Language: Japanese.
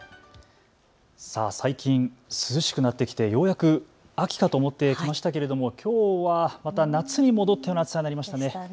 最近涼しくなってきてようやく秋かと思ってきましたけれどもきょうはまた夏に戻っての暑さになりましたね。